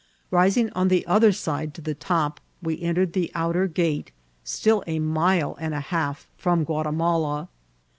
Rising on the other side to the top, we entered the out er gate, still a mile and a half from Guatimala.